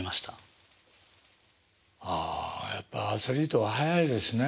ああやっぱアスリートは早いですね。